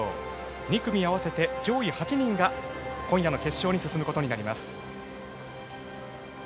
２組合わせて上位８人が今夜の決勝に進むことになります。